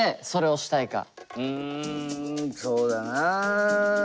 うんそうだな。